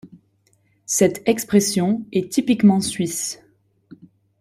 Cette expression est typiquement suisse.